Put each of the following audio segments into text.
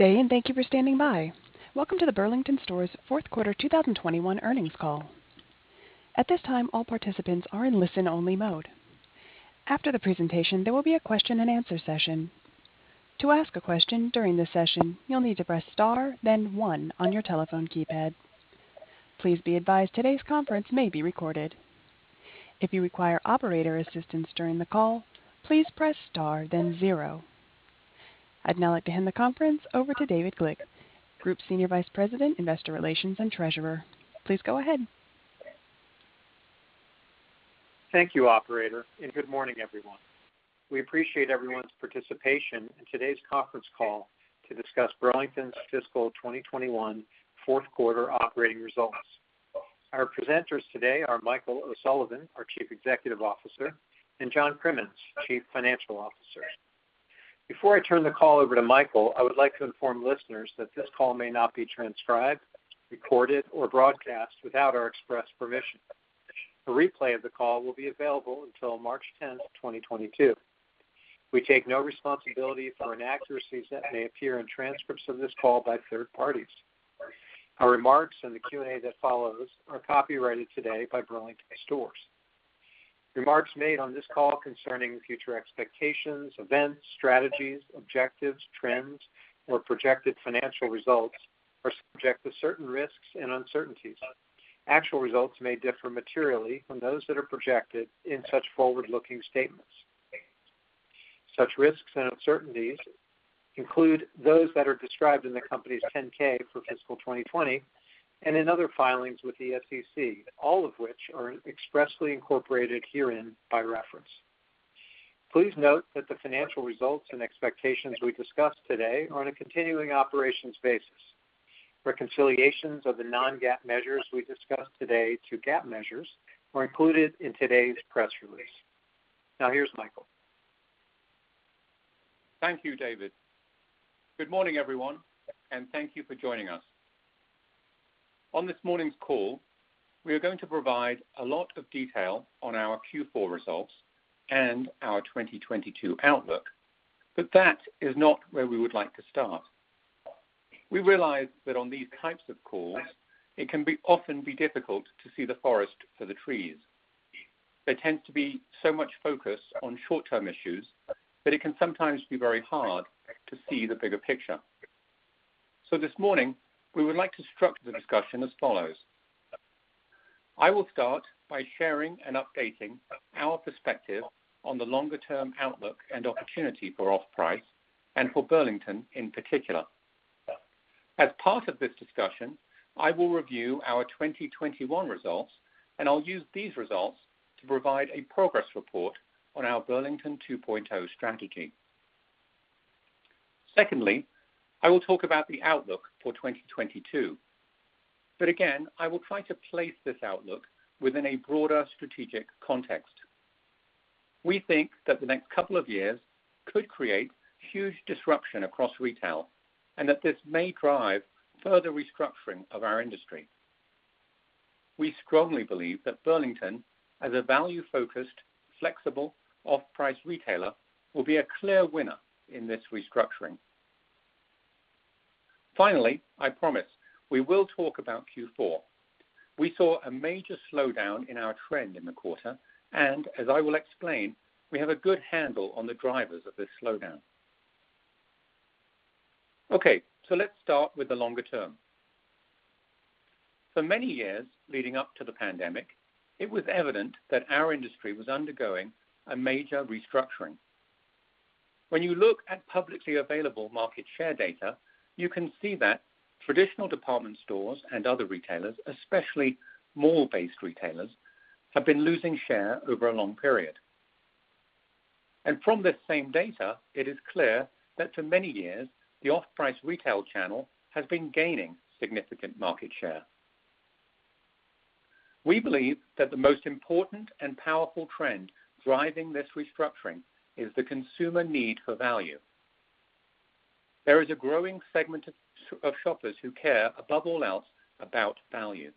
Good day, and thank you for standing by. Welcome to the Burlington Stores fourth quarter 2021 earnings call. At this time, all participants are in listen-only mode. After the presentation, there will be a question-and-answer session. To ask a question during the session, you'll need to press star, then one on your telephone keypad. Please be advised today's conference may be recorded. If you require operator assistance during the call, please press star, then zero. I'd now like to hand the conference over to David Glick, Group Senior Vice President, Investor Relations and Treasurer. Please go ahead. Thank you, operator, and good morning, everyone. We appreciate everyone's participation in today's conference call to discuss Burlington's fiscal 2021 fourth quarter operating results. Our presenters today are Michael O'Sullivan, our Chief Executive Officer, and John Crimmins, Chief Financial Officer. Before I turn the call over to Michael, I would like to inform listeners that this call may not be transcribed, recorded, or broadcast without our express permission. A replay of the call will be available until March 10, 2022. We take no responsibility for inaccuracies that may appear in transcripts of this call by third parties. Our remarks and the Q&A that follows are copyrighted today by Burlington Stores. Remarks made on this call concerning future expectations, events, strategies, objectives, trends, or projected financial results are subject to certain risks and uncertainties. Actual results may differ materially from those that are projected in such forward-looking statements. Such risks and uncertainties include those that are described in the company's 10-K for fiscal 2020 and in other filings with the SEC, all of which are expressly incorporated herein by reference. Please note that the financial results and expectations we discuss today are on a continuing operations basis. Reconciliations of the non-GAAP measures we discuss today to GAAP measures are included in today's press release. Now here's Michael. Thank you, David. Good morning, everyone, and thank you for joining us. On this morning's call, we are going to provide a lot of detail on our Q4 results and our 2022 outlook. That is not where we would like to start. We realize that on these types of calls, it can be often be difficult to see the forest for the trees. There tends to be so much focus on short-term issues that it can sometimes be very hard to see the bigger picture. This morning, we would like to structure the discussion as follows. I will start by sharing and updating our perspective on the longer-term outlook and opportunity for off-price and for Burlington, in particular. As part of this discussion, I will review our 2021 results, and I'll use these results to provide a progress report on our Burlington 2.0 strategy. Secondly, I will talk about the outlook for 2022. Again, I will try to place this outlook within a broader strategic context. We think that the next couple of years could create huge disruption across retail, and that this may drive further restructuring of our industry. We strongly believe that Burlington, as a value-focused, flexible off-price retailer, will be a clear winner in this restructuring. Finally, I promise we will talk about Q4. We saw a major slowdown in our trend in the quarter, and as I will explain, we have a good handle on the drivers of this slowdown. Okay, let's start with the longer term. For many years leading up to the pandemic, it was evident that our industry was undergoing a major restructuring. When you look at publicly available market share data, you can see that traditional department stores and other retailers, especially mall-based retailers, have been losing share over a long period. From this same data, it is clear that for many years, the off-price retail channel has been gaining significant market share. We believe that the most important and powerful trend driving this restructuring is the consumer need for value. There is a growing segment of shoppers who care above all else about value.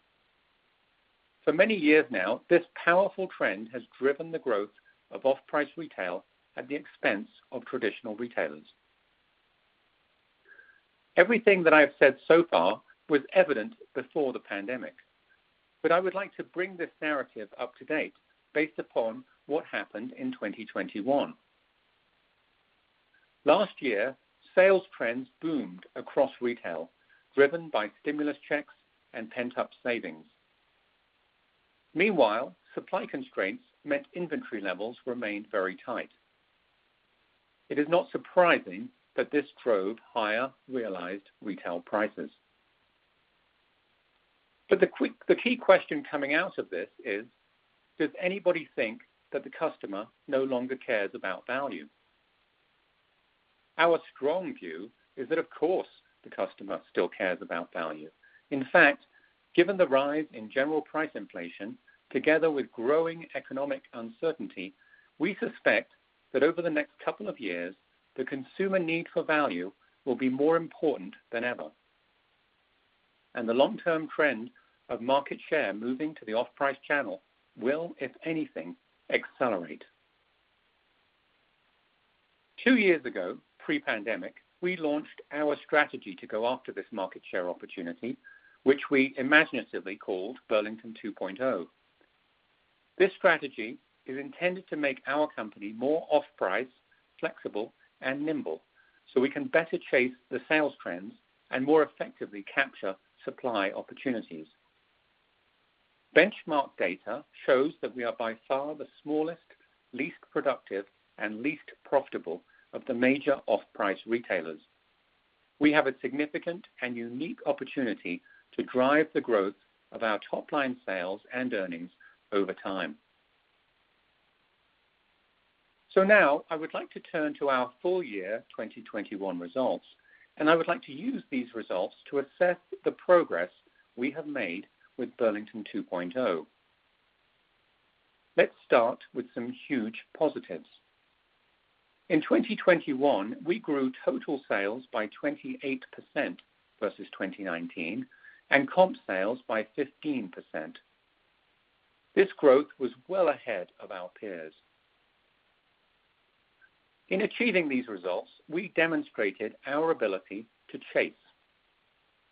For many years now, this powerful trend has driven the growth of off-price retail at the expense of traditional retailers. Everything that I have said so far was evident before the pandemic, but I would like to bring this narrative up to date based upon what happened in 2021. Last year, sales trends boomed across retail, driven by stimulus checks and pent-up savings. Meanwhile, supply constraints meant inventory levels remained very tight. It is not surprising that this drove higher realized retail prices. The key question coming out of this is, does anybody think that the customer no longer cares about value? Our strong view is that, of course, the customer still cares about value. In fact, given the rise in general price inflation together with growing economic uncertainty, we suspect that over the next couple of years, the consumer need for value will be more important than ever. The long-term trend of market share moving to the off-price channel will, if anything, accelerate. Two years ago, pre-pandemic, we launched our strategy to go after this market share opportunity, which we imaginatively called Burlington 2.0. This strategy is intended to make our company more off-price, flexible and nimble, so we can better chase the sales trends and more effectively capture supply opportunities. Benchmark data shows that we are by far the smallest, least productive, and least profitable of the major off-price retailers. We have a significant and unique opportunity to drive the growth of our top line sales and earnings over time. Now I would like to turn to our full year 2021 results, and I would like to use these results to assess the progress we have made with Burlington 2.0. Let's start with some huge positives. In 2021, we grew total sales by 28% versus 2019, and comp sales by 15%. This growth was well ahead of our peers. In achieving these results, we demonstrated our ability to chase.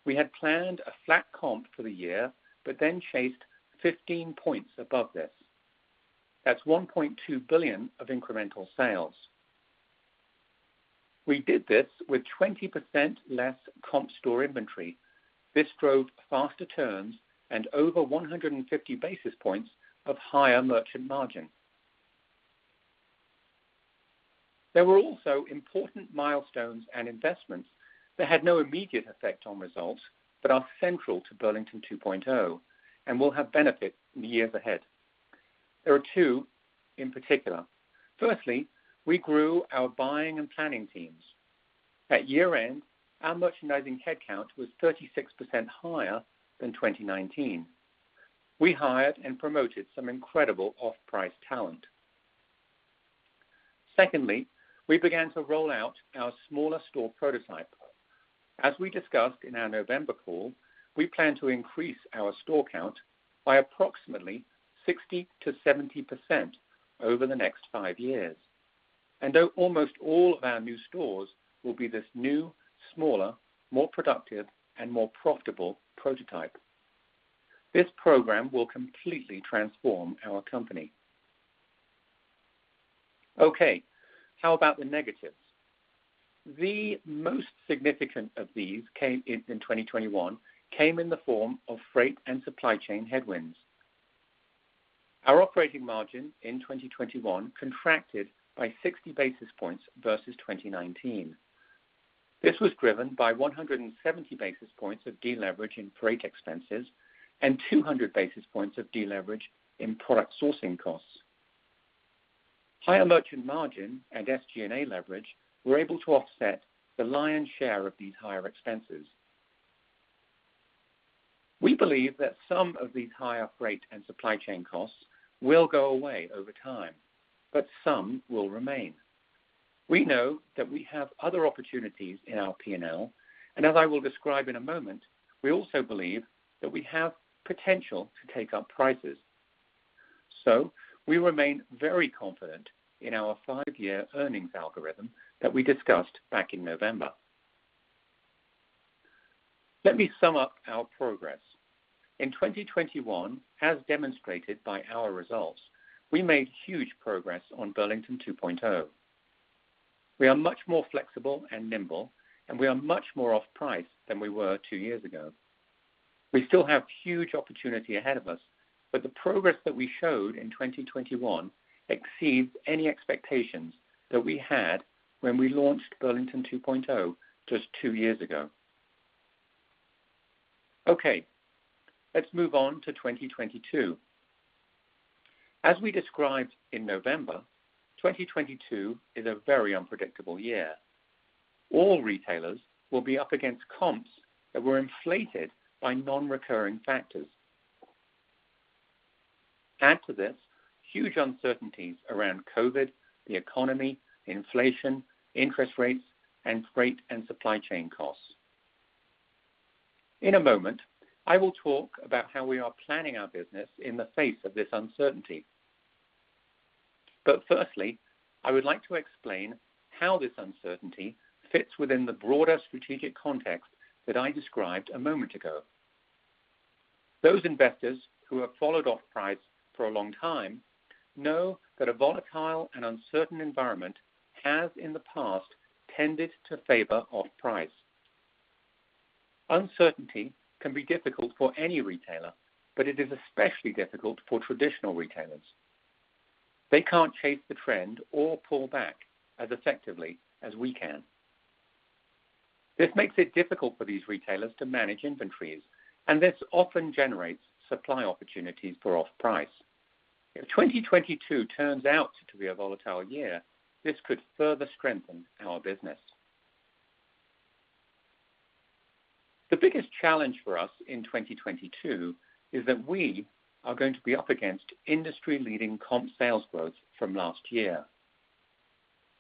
We had planned a flat comp for the year, but then chased 15 points above this. That's $1.2 billion of incremental sales. We did this with 20% less comp store inventory. This drove faster turns and over 150 basis points of higher merchant margin. There were also important milestones and investments that had no immediate effect on results, but are central to Burlington 2.0 and will have benefits in the years ahead. There are two in particular. Firstly, we grew our buying and planning teams. At year-end, our merchandising headcount was 36% higher than 2019. We hired and promoted some incredible off-price talent. Secondly, we began to roll out our smaller store prototype. As we discussed in our November call, we plan to increase our store count by approximately 60%-70% over the next five years. Though almost all of our new stores will be this new, smaller, more productive, and more profitable prototype. This program will completely transform our company. Okay. How about the negatives? The most significant of these came in 2021 in the form of freight and supply chain headwinds. Our operating margin in 2021 contracted by 60 basis points versus 2019. This was driven by 170 basis points of deleverage in freight expenses and 200 basis points of deleverage in product sourcing costs. Higher merchant margin and SG&A leverage were able to offset the lion's share of these higher expenses. We believe that some of these higher freight and supply chain costs will go away over time, but some will remain. We know that we have other opportunities in our P&L, and as I will describe in a moment, we also believe that we have potential to take up prices. We remain very confident in our five-year earnings algorithm that we discussed back in November. Let me sum up our progress. In 2021, as demonstrated by our results, we made huge progress on Burlington 2.0. We are much more flexible and nimble, and we are much more off-price than we were two years ago. We still have huge opportunity ahead of us, but the progress that we showed in 2021 exceeds any expectations that we had when we launched Burlington 2.0 just two years ago. Okay, let's move on to 2022. As we described in November, 2022 is a very unpredictable year. All retailers will be up against comps that were inflated by non-recurring factors. Add to this huge uncertainties around COVID, the economy, inflation, interest rates, and freight and supply chain costs. In a moment, I will talk about how we are planning our business in the face of this uncertainty. Firstly, I would like to explain how this uncertainty fits within the broader strategic context that I described a moment ago. Those investors who have followed off price for a long time know that a volatile and uncertain environment has in the past tended to favor off price. Uncertainty can be difficult for any retailer, but it is especially difficult for traditional retailers. They can't chase the trend or pull back as effectively as we can. This makes it difficult for these retailers to manage inventories, and this often generates supply opportunities for off price. If 2022 turns out to be a volatile year, this could further strengthen our business. The biggest challenge for us in 2022 is that we are going to be up against industry-leading comp sales growth from last year.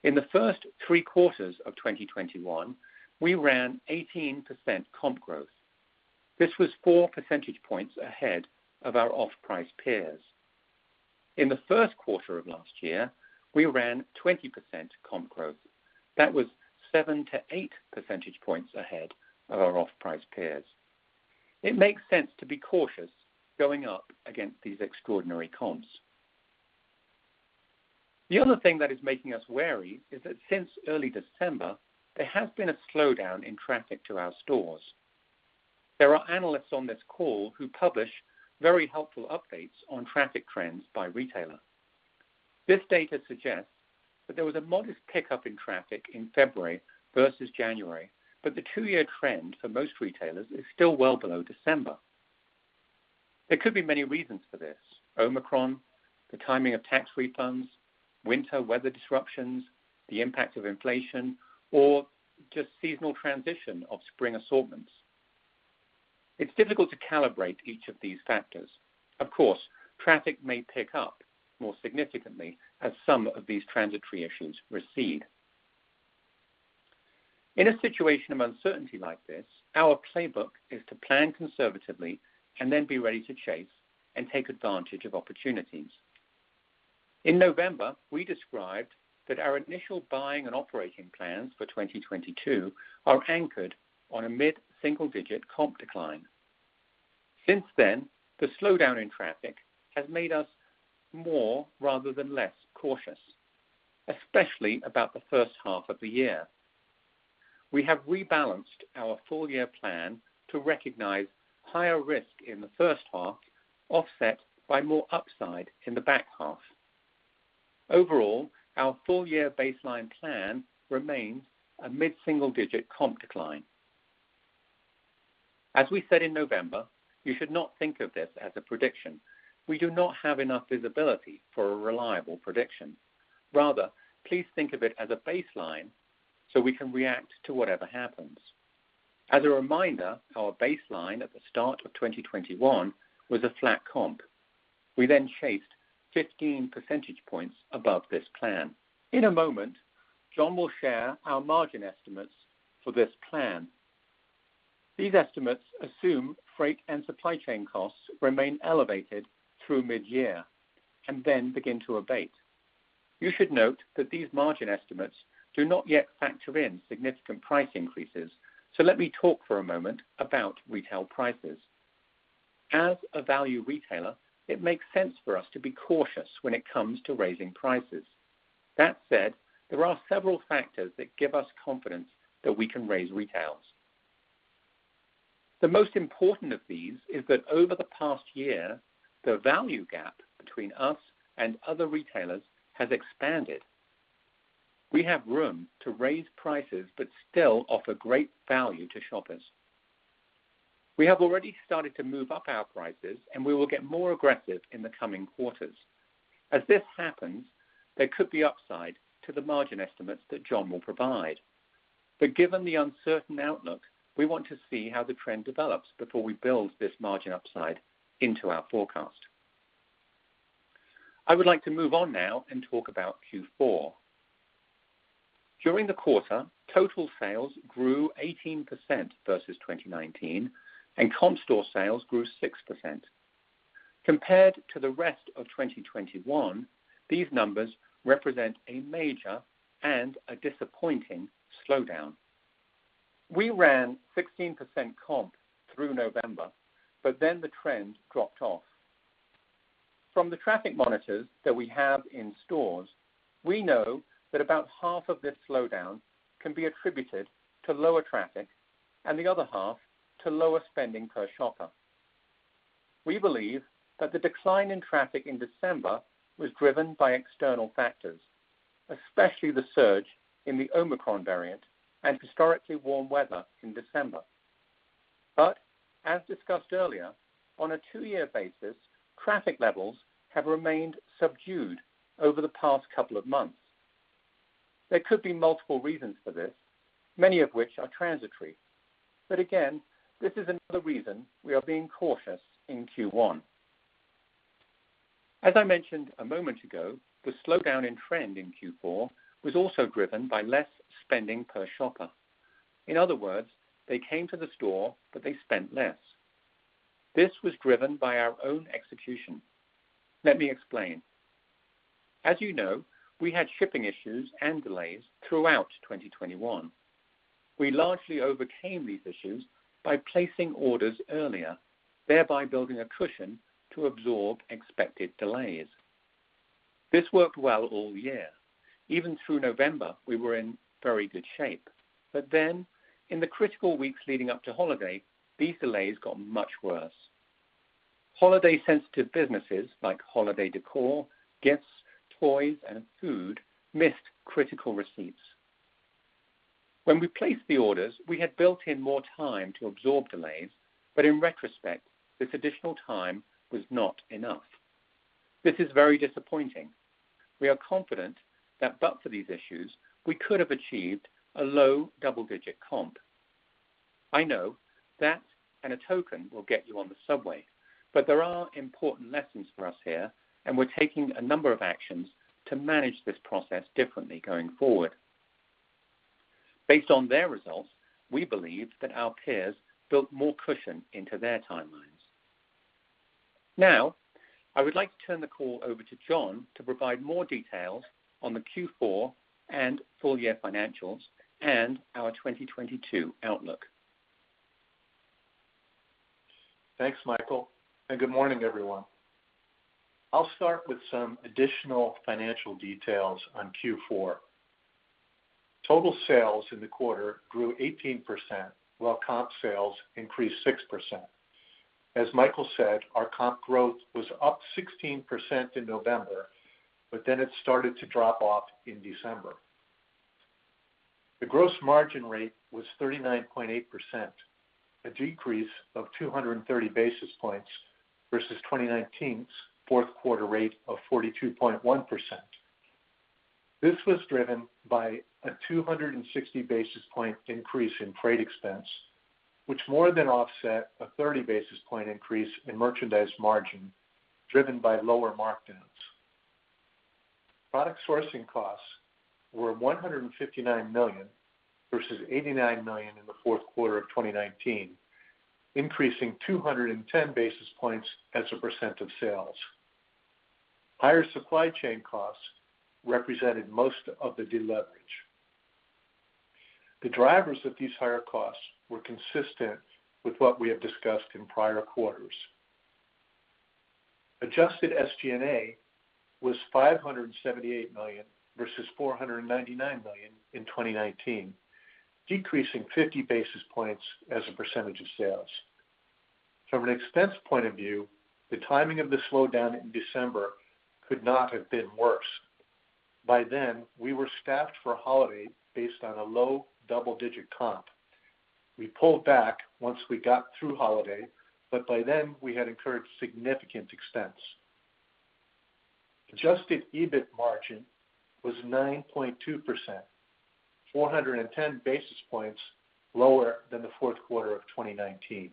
In the first three quarters of 2021, we ran 18% comp growth. This was four percentage points ahead of our off-price peers. In the first quarter of last year, we ran 20% comp growth. That was seven to eight percentage points ahead of our off-price peers. It makes sense to be cautious going up against these extraordinary comps. The other thing that is making us wary is that since early December, there has been a slowdown in traffic to our stores. There are analysts on this call who publish very helpful updates on traffic trends by retailer. This data suggests that there was a modest pickup in traffic in February versus January, but the two-year trend for most retailers is still well below December. There could be many reasons for this, Omicron, the timing of tax refunds, winter weather disruptions, the impact of inflation, or just seasonal transition of spring assortments. It's difficult to calibrate each of these factors. Of course, traffic may pick up more significantly as some of these transitory issues recede. In a situation of uncertainty like this, our playbook is to plan conservatively and then be ready to chase and take advantage of opportunities. In November, we described that our initial buying and operating plans for 2022 are anchored on a mid-single digit comp decline. Since then, the slowdown in traffic has made us more rather than less cautious, especially about the first half of the year. We have rebalanced our full year plan to recognize higher risk in the first half, offset by more upside in the back half. Overall, our full year baseline plan remains a mid-single digit comp decline. As we said in November, you should not think of this as a prediction. We do not have enough visibility for a reliable prediction. Rather, please think of it as a baseline so we can react to whatever happens. As a reminder, our baseline at the start of 2021 was a flat comp. We then chased 15 percentage points above this plan. In a moment, John will share our margin estimates for this plan. These estimates assume freight and supply chain costs remain elevated through mid-year and then begin to abate. You should note that these margin estimates do not yet factor in significant price increases. Let me talk for a moment about retail prices. As a value retailer, it makes sense for us to be cautious when it comes to raising prices. That said, there are several factors that give us confidence that we can raise retails. The most important of these is that over the past year, the value gap between us and other retailers has expanded. We have room to raise prices but still offer great value to shoppers. We have already started to move up our prices, and we will get more aggressive in the coming quarters. As this happens, there could be upside to the margin estimates that John will provide. But given the uncertain outlook, we want to see how the trend develops before we build this margin upside into our forecast. I would like to move on now and talk about Q4. During the quarter, total sales grew 18% versus 2019, and comp store sales grew 6%. Compared to the rest of 2021, these numbers represent a major and a disappointing slowdown. We ran 16% comp through November, but then the trend dropped off. From the traffic monitors that we have in stores, we know that about half of this slowdown can be attributed to lower traffic and the other half to lower spending per shopper. We believe that the decline in traffic in December was driven by external factors, especially the surge in the Omicron variant and historically warm weather in December. As discussed earlier, on a two-year basis, traffic levels have remained subdued over the past couple of months. There could be multiple reasons for this, many of which are transitory. Again, this is another reason we are being cautious in Q1. As I mentioned a moment ago, the slowdown in trend in Q4 was also driven by less spending per shopper. In other words, they came to the store, but they spent less. This was driven by our own execution. Let me explain. As you know, we had shipping issues and delays throughout 2021. We largely overcame these issues by placing orders earlier, thereby building a cushion to absorb expected delays. This worked well all year. Even through November, we were in very good shape. But then in the critical weeks leading up to holiday, these delays got much worse. Holiday sensitive businesses like holiday decor, gifts, toys, and food missed critical receipts. When we placed the orders, we had built in more time to absorb delays, but in retrospect, this additional time was not enough. This is very disappointing. We are confident that but for these issues, we could have achieved a low double-digit comp. I know that and a token will get you on the subway, but there are important lessons for us here, and we're taking a number of actions to manage this process differently going forward. Based on their results, we believe that our peers built more cushion into their timelines. Now, I would like to turn the call over to John to provide more details on the Q4 and full-year financials and our 2022 outlook. Thanks, Michael, and good morning, everyone. I'll start with some additional financial details on Q4. Total sales in the quarter grew 18%, while comp sales increased 6%. As Michael said, our comp growth was up 16% in November, but then it started to drop off in December. The gross margin rate was 39.8%, a decrease of 230 basis points versus 2019's fourth quarter rate of 42.1%. This was driven by a 260 basis point increase in freight expense, which more than offset a 30 basis point increase in merchandise margin, driven by lower markdowns. Product sourcing costs were $159 million versus $89 million in the fourth quarter of 2019, increasing 210 basis points as a percent of sales. Higher supply chain costs represented most of the deleverage. The drivers of these higher costs were consistent with what we have discussed in prior quarters. Adjusted SG&A was $578 million versus $499 million in 2019, decreasing 50 basis points as a percentage of sales. From an expense point of view, the timing of the slowdown in December could not have been worse. By then, we were staffed for holiday based on a low double-digit comp. We pulled back once we got through holiday, but by then we had incurred significant expense. Adjusted EBIT margin was 9.2%, 410 basis points lower than the fourth quarter of 2019.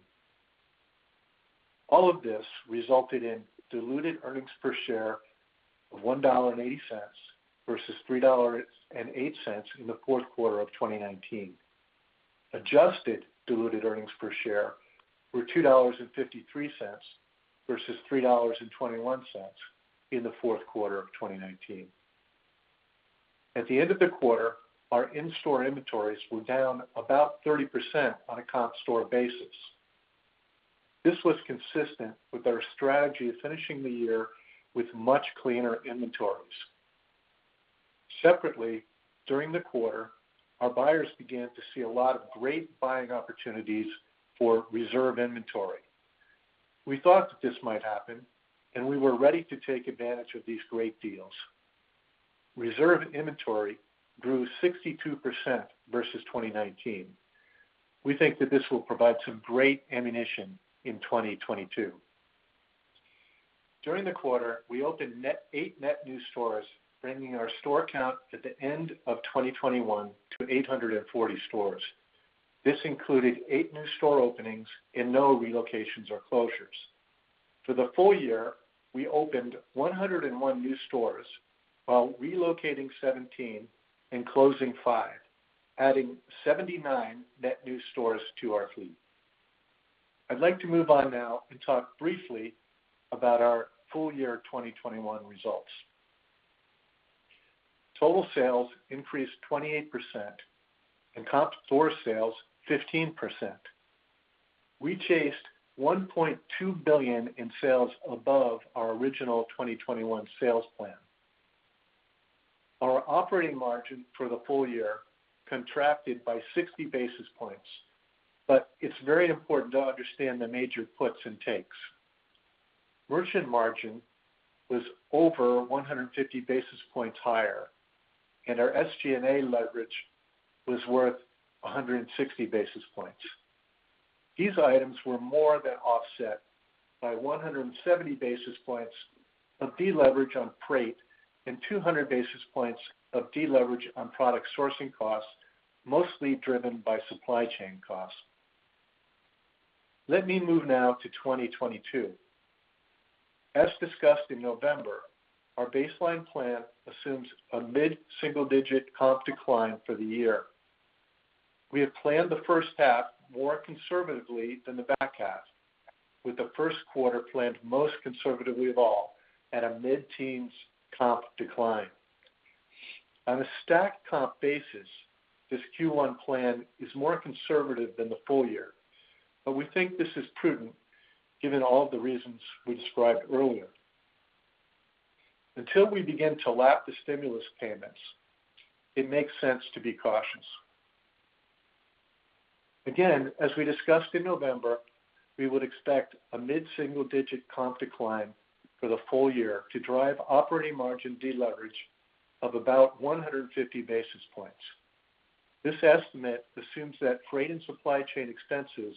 All of this resulted in diluted earnings per share of $1.80 versus $3.08 in the fourth quarter of 2019. Adjusted diluted earnings per share were $2.53 versus $3.21 in the fourth quarter of 2019. At the end of the quarter, our in-store inventories were down about 30% on a comp store basis. This was consistent with our strategy of finishing the year with much cleaner inventories. Separately, during the quarter, our buyers began to see a lot of great buying opportunities for reserve inventory. We thought that this might happen, and we were ready to take advantage of these great deals. Reserve inventory grew 62% versus 2019. We think that this will provide some great ammunition in 2022. During the quarter, we opened eight net new stores, bringing our store count at the end of 2021 to 840 stores. This included eight new store openings and no relocations or closures. For the full year, we opened 101 new stores while relocating 17 and closing five, adding 79 net new stores to our fleet. I'd like to move on now and talk briefly about our full year 2021 results. Total sales increased 28% and comp store sales 15%. We chased $1.2 billion in sales above our original 2021 sales plan. Our operating margin for the full-year contracted by 60 basis points, but it's very important to understand the major puts and takes. Merchant margin was over 150 basis points higher, and our SG&A leverage was worth 160 basis points. These items were more than offset by 170 basis points of deleverage on freight and 200 basis points of deleverage on product sourcing costs, mostly driven by supply chain costs. Let me move now to 2022. As discussed in November, our baseline plan assumes a mid-single-digit comp decline for the year. We have planned the first half more conservatively than the back half, with the first quarter planned most conservatively of all at a mid-teens comp decline. On a stacked comp basis, this Q1 plan is more conservative than the full-year, but we think this is prudent given all the reasons we described earlier. Until we begin to lap the stimulus payments, it makes sense to be cautious. Again, as we discussed in November, we would expect a mid-single-digit comp decline for the full year to drive operating margin deleverage of about 150 basis points. This estimate assumes that freight and supply chain expenses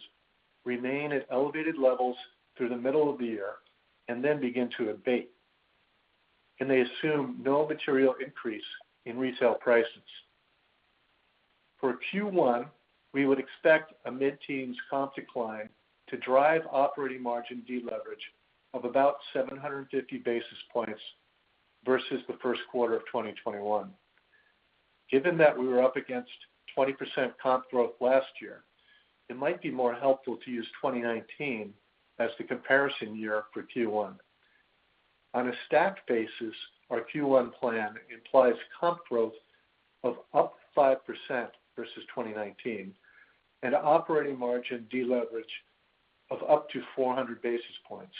remain at elevated levels through the middle of the year and then begin to abate. They assume no material increase in resale prices. For Q1, we would expect a mid-teens comp decline to drive operating margin deleverage of about 750 basis points versus the first quarter of 2021. Given that we were up against 20% comp growth last year, it might be more helpful to use 2019 as the comparison year for Q1. On a stacked basis, our Q1 plan implies comp growth of up 5% versus 2019 and operating margin deleverage of up to 400 basis points.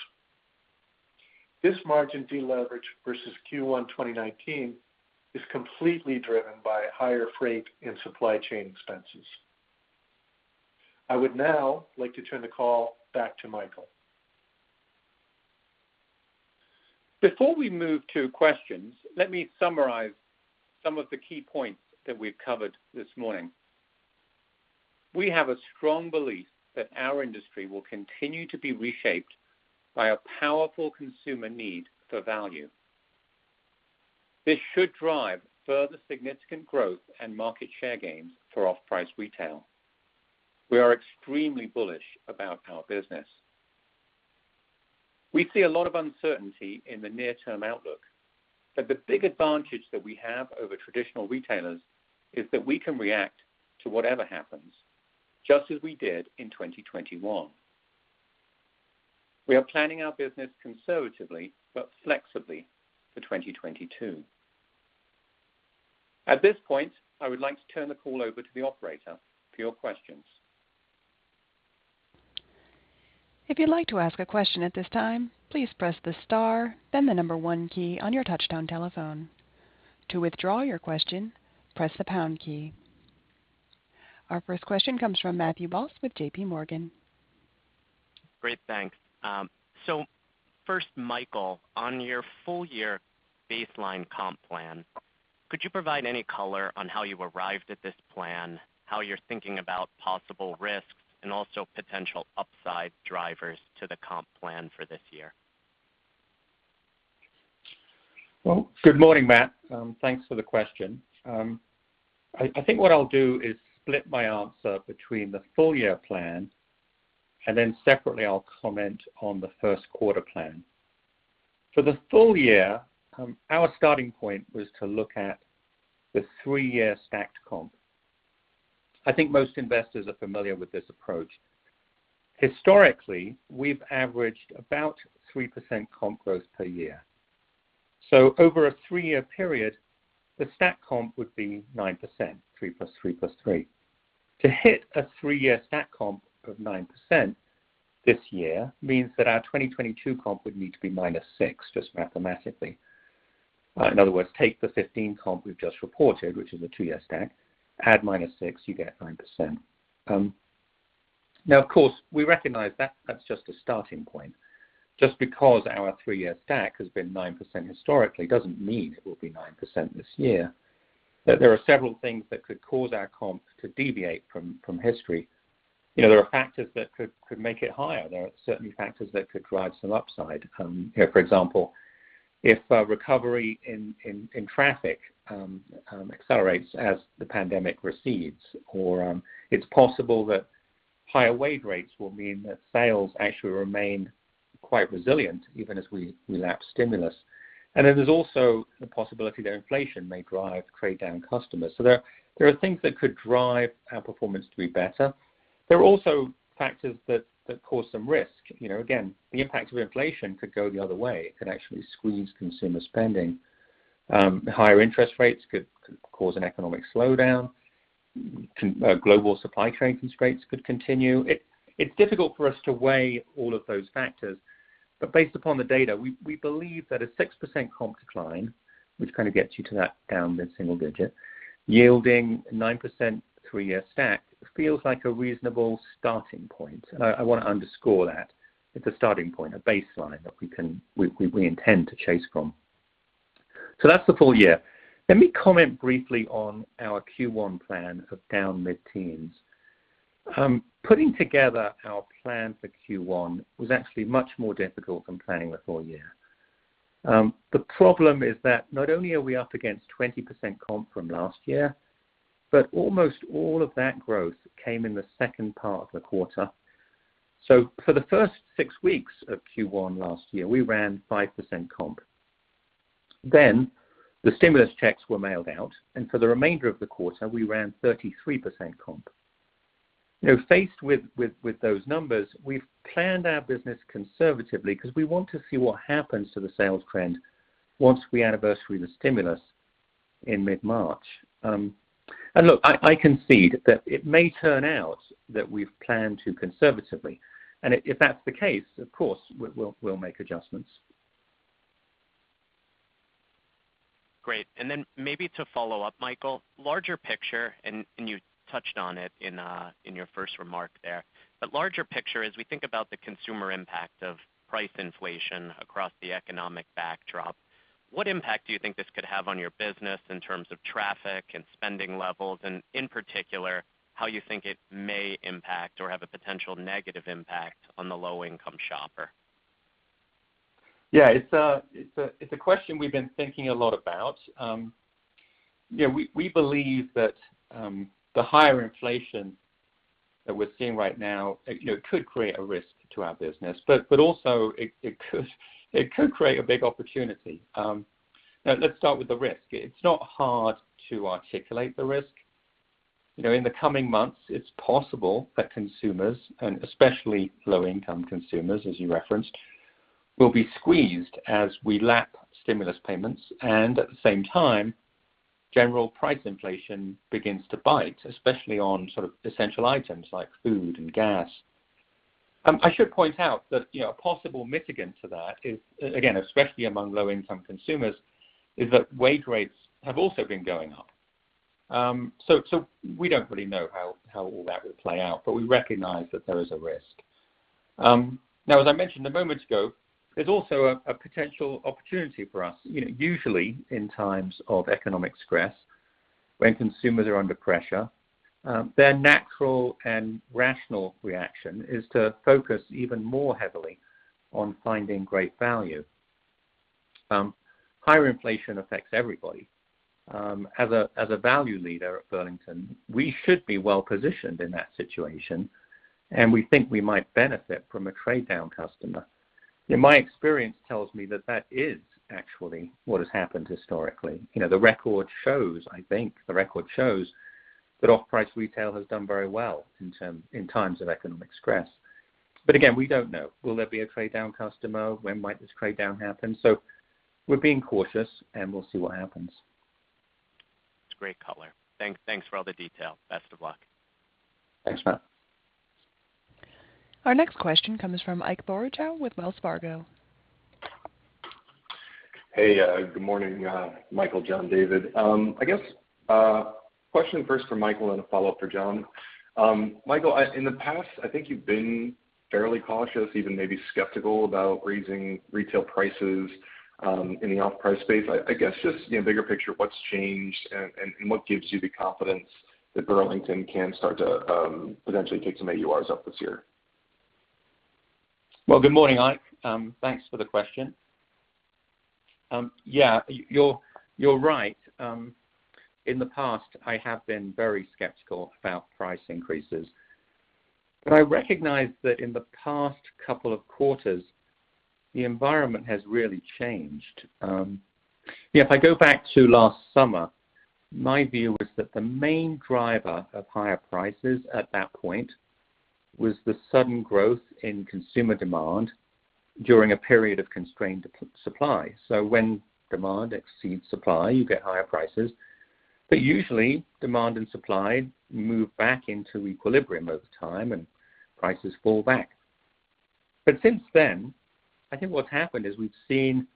This margin deleverage versus Q1 2019 is completely driven by higher freight and supply chain expenses. I would now like to turn the call back to Michael. Before we move to questions, let me summarize some of the key points that we've covered this morning. We have a strong belief that our industry will continue to be reshaped by a powerful consumer need for value. This should drive further significant growth and market share gains for off-price retail. We are extremely bullish about our business. We see a lot of uncertainty in the near-term outlook, but the big advantage that we have over traditional retailers is that we can react to whatever happens, just as we did in 2021. We are planning our business conservatively but flexibly for 2022. At this point, I would like to turn the call over to the operator for your questions. Our first question comes from Matthew Boss with JPMorgan. Great. Thanks. First, Michael, on your full-year baseline comp plan, could you provide any color on how you arrived at this plan, how you're thinking about possible risks, and also potential upside drivers to the comp plan for this year? Well, good morning, Matt. Thanks for the question. I think what I'll do is split my answer between the full year plan, and then separately, I'll comment on the first quarter plan. For the full year, our starting point was to look at the three-year stacked comp. I think most investors are familiar with this approach. Historically, we've averaged about 3% comp growth per year. Over a three-year period, the stacked comp would be 9%, 3 + 3 + 3. To hit a three-year stacked comp of 9% this year means that our 2022 comp would need to be -6, just mathematically. In other words, take the 15 comp we've just reported, which is a two-year stack, add -6, you get 9%. Now, of course, we recognize that that's just a starting point. Just because our three-year stack has been 9% historically doesn't mean it will be 9% this year. There are several things that could cause our comps to deviate from history. There are factors that could make it higher. There are certainly factors that could drive some upside. For example, if recovery in traffic accelerates as the pandemic recedes, or it's possible that higher wage rates will mean that sales actually remain quite resilient even as we lapse stimulus. There's also the possibility that inflation may drive trade-down customers. There are things that could drive our performance to be better. There are also factors that cause some risk. Again, the impact of inflation could go the other way. It could actually squeeze consumer spending. Higher interest rates could cause an economic slowdown. Global supply chain constraints could continue. It's difficult for us to weigh all of those factors, but based upon the data, we believe that a 6% comp decline, which kind of gets you to that down to single digit, yielding 9% three-year stack feels like a reasonable starting point. I wanna underscore that. It's a starting point, a baseline that we intend to chase from. That's the full-year. Let me comment briefly on our Q1 plan of down mid-teens. Putting together our plan for Q1 was actually much more difficult than planning the full-year. The problem is that not only are we up against 20% comp from last year, but almost all of that growth came in the second part of the quarter. For the first six weeks of Q1 last year, we ran 5% comp. Then the stimulus checks were mailed out, and for the remainder of the quarter, we ran 33% comp. You know, faced with those numbers, we've planned our business conservatively because we want to see what happens to the sales trend once we anniversary the stimulus in mid-March. Look, I concede that it may turn out that we've planned too conservatively. If that's the case, of course, we'll make adjustments. Great. Maybe to follow-up, Michael, larger picture, and you touched on it in your first remark there. Larger picture, as we think about the consumer impact of price inflation across the economic backdrop, what impact do you think this could have on your business in terms of traffic and spending levels, and in particular, how you think it may impact or have a potential negative impact on the low-income shopper? Yeah, it's a question we've been thinking a lot about. Yeah, we believe that the higher inflation that we're seeing right now, you know, could create a risk to our business, but also it could create a big opportunity. Now let's start with the risk. It's not hard to articulate the risk. You know, in the coming months, it's possible that consumers, and especially low-income consumers, as you referenced, will be squeezed as we lap stimulus payments, and at the same time, general price inflation begins to bite, especially on sort of essential items like food and gas. I should point out that, you know, a possible mitigant to that is, again, especially among low-income consumers, is that wage rates have also been going up. We don't really know how all that will play out, but we recognize that there is a risk. Now, as I mentioned a moment ago, there's also a potential opportunity for us. You know, usually in times of economic stress, when consumers are under pressure, their natural and rational reaction is to focus even more heavily on finding great value. Higher inflation affects everybody. As a value leader at Burlington, we should be well-positioned in that situation, and we think we might benefit from a trade-down customer. You know, my experience tells me that is actually what has happened historically. You know, the record shows, I think, that off-price retail has done very well in times of economic stress. Again, we don't know. Will there be a trade-down customer? When might this trade-down happen? We're being cautious, and we'll see what happens. That's great color. Thanks for all the detail. Best of luck. Thanks, Matt. Our next question comes from Ike Boruchow with Wells Fargo. Hey, good morning, Michael, John, David. I guess, question first for Michael and a follow-up for John. Michael, in the past, I think you've been fairly cautious, even maybe skeptical about raising retail prices, in the off-price space. I guess just, you know, bigger picture, what's changed and what gives you the confidence that Burlington can start to, potentially take some AURs up this year? Well, good morning, Ike. Thanks for the question. Yeah, you're right. In the past, I have been very skeptical about price increases. I recognize that in the past couple of quarters, the environment has really changed. You know, if I go back to last summer, my view was that the main driver of higher prices at that point was the sudden growth in consumer demand during a period of constrained supply. When demand exceeds supply, you get higher prices. Usually, demand and supply move back into equilibrium over time, and prices fall back. Since then, I think what's happened is we've seen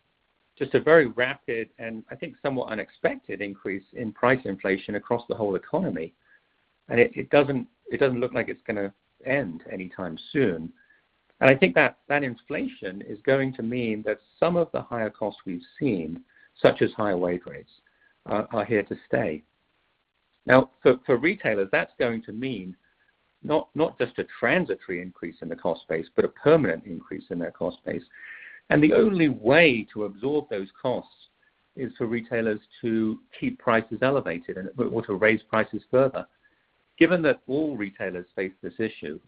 just a very rapid, and I think somewhat unexpected increase in price inflation across the whole economy. It doesn't look like it's gonna end anytime soon. I think that inflation is going to mean that some of the higher costs we've seen, such as higher wage rates, are here to stay. Now for retailers, that's going to mean not just a transitory increase in the cost base, but a permanent increase in their cost base. The only way to absorb those costs is for retailers to keep prices elevated and or to raise prices further. Given that all retailers face this issue,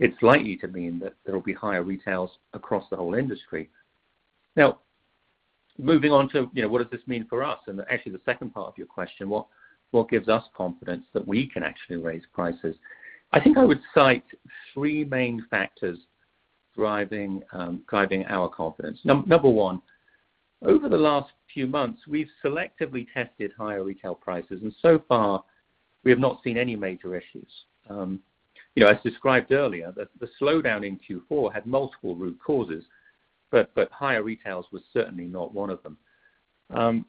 it's likely to mean that there will be higher retails across the whole industry. Now, moving on to, you know, what does this mean for us? Actually, the second part of your question, what gives us confidence that we can actually raise prices? I think I would cite three main factors driving our confidence. Number one, over the last few months, we've selectively tested higher retail prices, and so far, we have not seen any major issues. You know, as described earlier, the slowdown in Q4 had multiple root causes, but higher retails was certainly not one of them.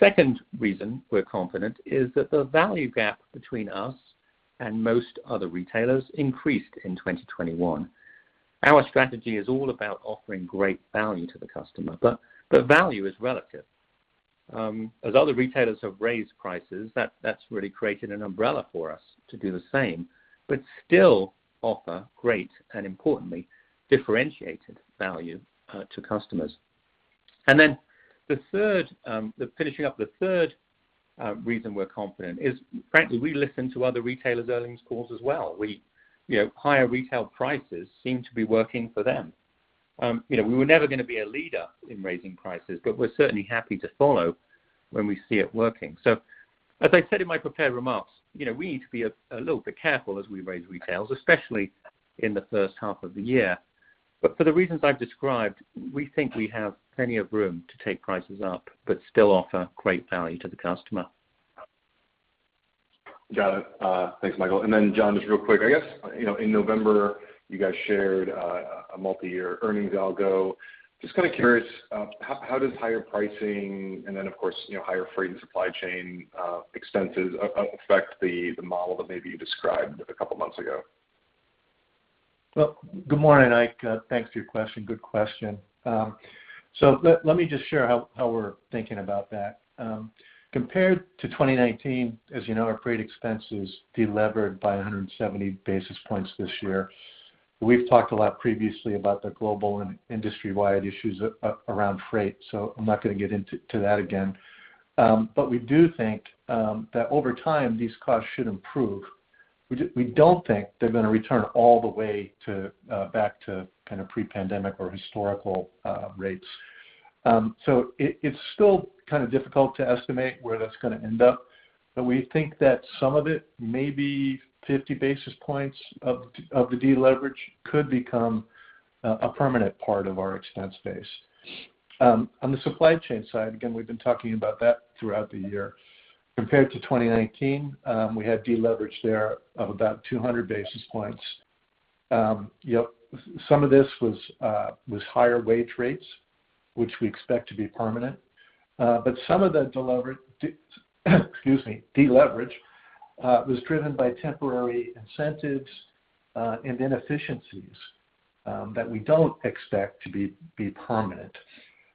Second reason we're confident is that the value gap between us and most other retailers increased in 2021. Our strategy is all about offering great value to the customer, but the value is relative. As other retailers have raised prices, that's really created an umbrella for us to do the same, but still offer great and importantly, differentiated value to customers. The third reason we're confident is, frankly, we listen to other retailers' earnings calls as well. You know, higher retail prices seem to be working for them. You know, we were never gonna be a leader in raising prices, but we're certainly happy to follow when we see it working. As I said in my prepared remarks, you know, we need to be a little bit careful as we raise retails, especially in the first half of the year. For the reasons I've described, we think we have plenty of room to take prices up, but still offer great value to the customer. Got it. Thanks, Michael. John, just real quick, I guess, you know, in November, you guys shared a multi-year earnings algo. Just kinda curious, how does higher pricing and then, of course, you know, higher freight and supply chain expenses affect the model that maybe you described a couple months ago? Good morning, Ike. Thanks for your question. Good question. Let me just share how we're thinking about that. Compared to 2019, as you know, our freight expense is delevered by 170 basis points this year. We've talked a lot previously about the global and industry-wide issues around freight, so I'm not gonna get into that again. But we do think that over time, these costs should improve. We don't think they're gonna return all the way back to kind of pre-pandemic or historical rates. So it is still kind of difficult to estimate where that's gonna end up, but we think that some of it, maybe 50 basis points of the deleverage could become a permanent part of our expense base. On the supply chain side, again, we've been talking about that throughout the year. Compared to 2019, we had deleverage there of about 200 basis points. You know, some of this was higher wage rates, which we expect to be permanent. But some of the deleverage was driven by temporary incentives and inefficiencies that we don't expect to be permanent.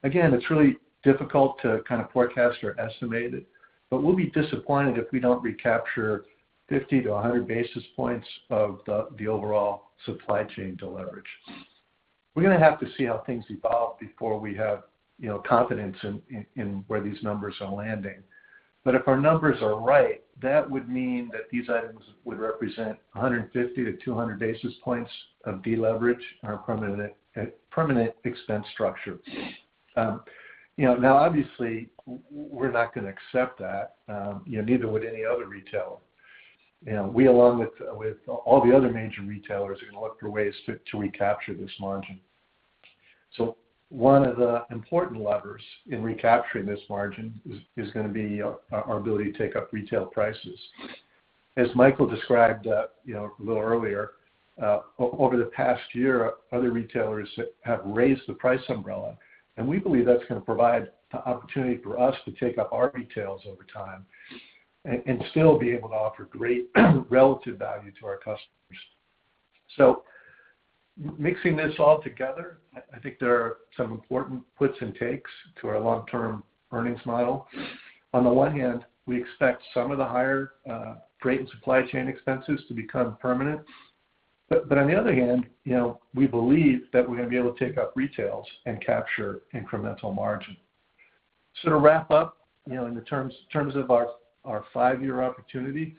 Again, it's really difficult to kind of forecast or estimate it, but we'll be disappointed if we don't recapture 50-100 basis points of the overall supply chain deleverage. We're gonna have to see how things evolve before we have, you know, confidence in where these numbers are landing. If our numbers are right, that would mean that these items would represent 150-200 basis points of deleverage in our permanent expense structure. You know, now obviously we're not gonna accept that, you know, neither would any other retailer. You know, we, along with all the other major retailers, are gonna look for ways to recapture this margin. One of the important levers in recapturing this margin is gonna be our ability to take up retail prices. As Michael described, you know, a little earlier, over the past year, other retailers have raised the price umbrella, and we believe that's gonna provide an opportunity for us to take up our retails over time and still be able to offer great relative value to our customers. Mixing this all together, I think there are some important puts and takes to our long-term earnings model. On the one hand, we expect some of the higher freight and supply chain expenses to become permanent. On the other hand, you know, we believe that we're gonna be able to take up retails and capture incremental margin. To wrap up, you know, in the terms of our five-year opportunity,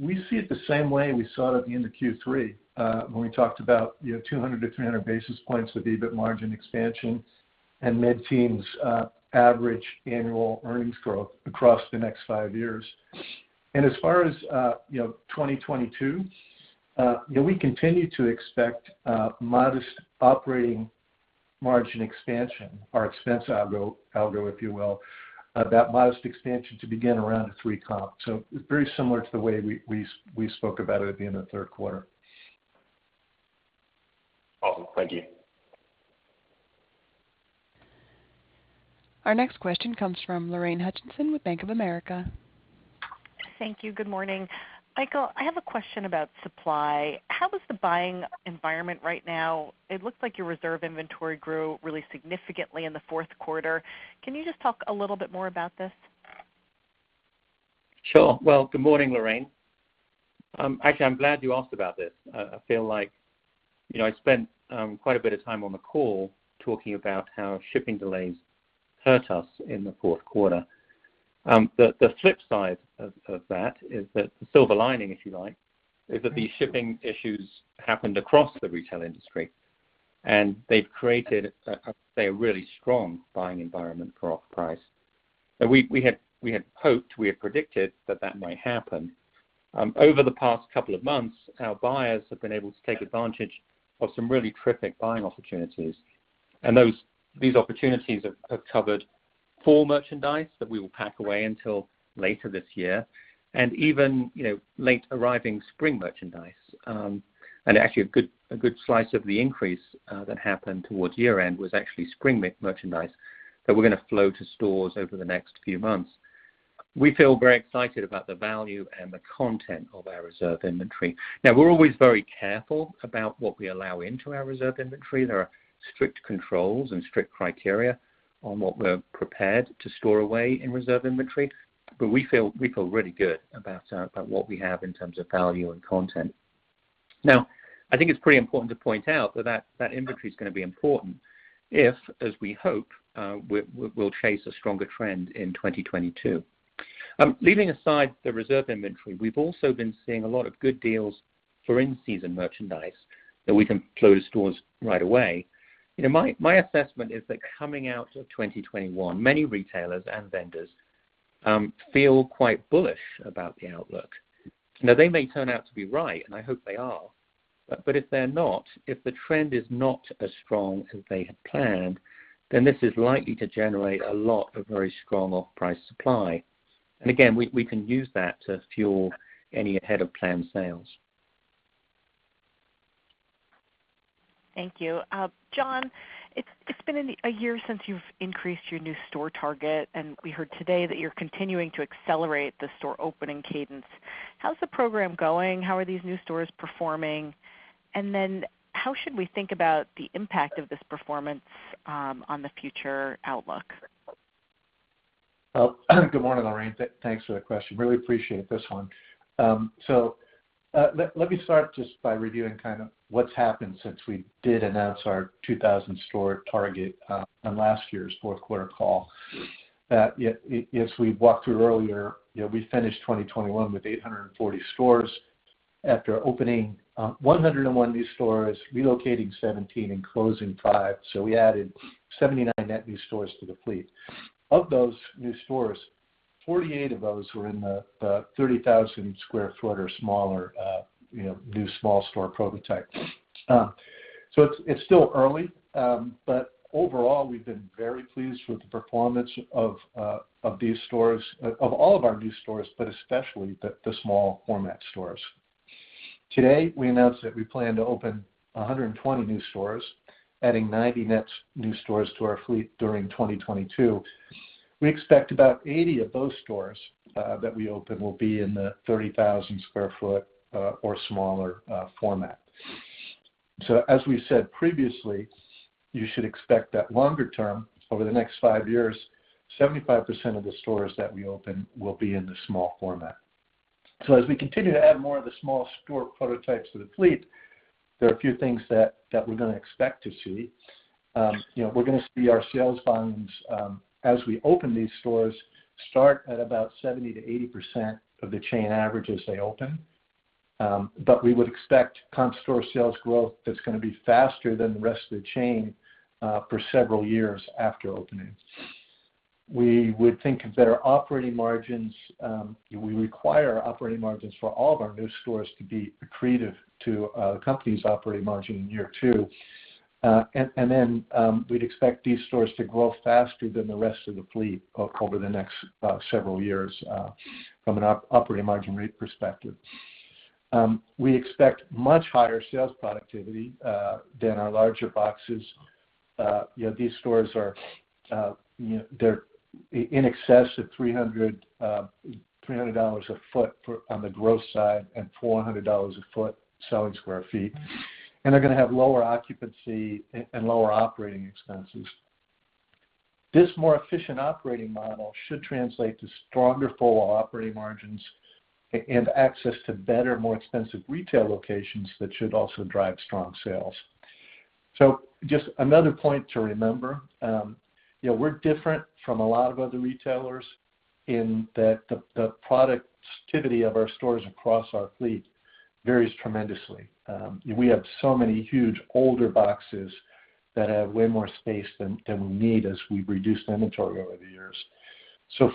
we see it the same way we saw it at the end of Q3, when we talked about, you know, 200-300 basis points of EBIT margin expansion and mid-teens average annual earnings growth across the next five years. As far as, you know, 2022, you know, we continue to expect modest operating margin expansion, our expense algo, if you will, that modest expansion to begin around at three comp. Very similar to the way we spoke about it at the end of the third quarter. Awesome. Thank you. Our next question comes from Lorraine Hutchinson with Bank of America. Thank you. Good morning. Michael, I have a question about supply. How is the buying environment right now? It looks like your reserve inventory grew really significantly in the fourth quarter. Can you just talk a little bit more about this? Sure. Well, good morning, Lorraine. Actually, I'm glad you asked about this. I feel like, you know, I spent quite a bit of time on the call talking about how shipping delays hurt us in the fourth quarter. The flip side of that is that the silver lining, if you like, is that these shipping issues happened across the retail industry, and they've created, I'd say, a really strong buying environment for off-price. We had hoped, we had predicted that might happen. Over the past couple of months, our buyers have been able to take advantage of some really terrific buying opportunities. These opportunities have covered fall merchandise that we will pack away until later this year and even, you know, late arriving spring merchandise. Actually a good slice of the increase that happened towards year-end was actually spring merchandise that we're gonna flow to stores over the next few months. We feel very excited about the value and the content of our reserve inventory. Now, we're always very careful about what we allow into our reserve inventory. There are strict controls and strict criteria on what we're prepared to store away in reserve inventory, but we feel really good about what we have in terms of value and content. Now, I think it's pretty important to point out that that inventory is gonna be important if, as we hope, we'll chase a stronger trend in 2022. Leaving aside the reserve inventory, we've also been seeing a lot of good deals for in-season merchandise that we can flow to stores right away. You know, my assessment is that coming out of 2021, many retailers and vendors feel quite bullish about the outlook. Now, they may turn out to be right, and I hope they are. But if they're not, if the trend is not as strong as they had planned, then this is likely to generate a lot of very strong off-price supply. Again, we can use that to fuel any ahead of planned sales. Thank you. John, it's been a year since you've increased your new store target, and we heard today that you're continuing to accelerate the store opening cadence. How's the program going? How are these new stores performing? How should we think about the impact of this performance on the future outlook? Well, good morning, Lorraine. Thanks for the question. Really appreciate this one. Let me start just by reviewing kind of what's happened since we did announce our 2000 store target on last year's fourth quarter call. Yes, we walked through earlier, you know, we finished 2021 with 840 stores after opening 101 new stores, relocating 17, and closing five. We added 79 net new stores to the fleet. Of those new stores, 48 of those were in the 30,000 sq ft or smaller new small store prototype. It's still early, but overall, we've been very pleased with the performance of these stores, of all of our new stores, but especially the small format stores. Today, we announced that we plan to open 120 new stores, adding 90 net new stores to our fleet during 2022. We expect about 80 of those stores that we open will be in the 30,000 sq ft or smaller format. As we said previously, you should expect that longer term, over the next 5 years, 75% of the stores that we open will be in the small format. As we continue to add more of the small store prototypes to the fleet, there are a few things that we're gonna expect to see. You know, we're gonna see our sales volumes as we open these stores start at about 70%-80% of the chain average as they open. We would expect comp store sales growth that's gonna be faster than the rest of the chain for several years after opening. We would think of better operating margins. We require operating margins for all of our new stores to be accretive to the company's operating margin in year two. We'd expect these stores to grow faster than the rest of the fleet over the next several years from an operating margin rate perspective. We expect much higher sales productivity than our larger boxes. You know, these stores are, you know, they're in excess of $300 a foot on the gross side and $400 a foot selling square feet, and they're gonna have lower occupancy and lower operating expenses. This more efficient operating model should translate to stronger full operating margins and access to better, more expensive retail locations that should also drive strong sales. Just another point to remember, you know, we're different from a lot of other retailers in that the productivity of our stores across our fleet varies tremendously. We have so many huge older boxes that have way more space than we need as we reduce inventory over the years.